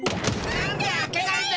なんで開けないピ？